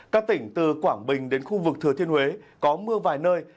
các tỉnh từ quảng bình đến khu vực thừa thiên huế có mưa vài nơi